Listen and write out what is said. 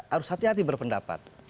harus hati hati berpendapat